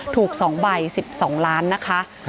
ถูก๒ใบ๑๒ล้านนะคะ